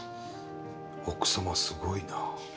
奥様すごいな。